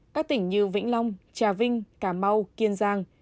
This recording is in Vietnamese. các tỉnh như vĩnh long trà vinh cà mau kiên giang